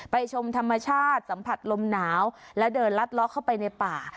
ชมธรรมชาติสัมผัสลมหนาวและเดินลัดล้อเข้าไปในป่า